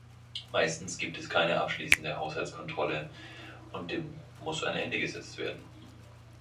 Meistens gibt es keine abschließende Haushaltskontrolle, und dem muss ein Ende gesetzt werden.